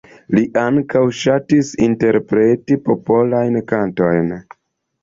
Li ankaŭ ŝatis interpreti popolajn kantojn.